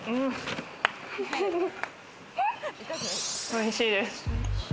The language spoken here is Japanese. おいしいです。